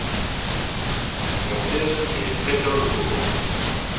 Son siège est Petersburg.